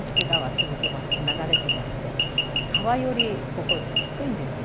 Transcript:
すぐそば流れてまして川よりここ低いんですよ。